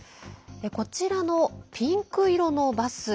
こちらのピンク色のバス。